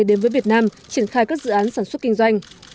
đến với việt nam triển khai các dự án sản xuất kinh doanh